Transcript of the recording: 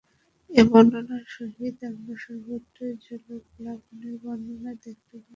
এই বর্ণনার সহিত আমরা সর্বত্রই জলপ্লাবনের বর্ণনা দেখিতে পাই।